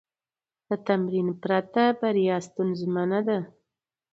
د تمرین پرته، بریا ستونزمنه ده.